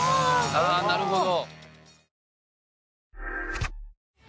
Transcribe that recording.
ああなるほど！